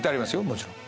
もちろん。